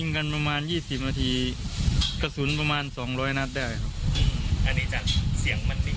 กันประมาณยี่สิบนาทีกระสุนประมาณสองร้อยนัดได้ครับอันนี้จากเสียงมันวิ่ง